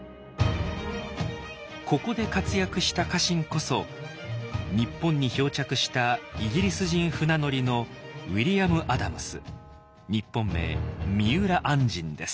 ここで活躍した家臣こそ日本に漂着したイギリス人船乗りの日本名三浦按針です。